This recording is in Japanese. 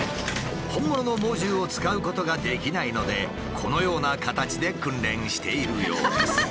本物の猛獣を使うことができないのでこのような形で訓練しているようです。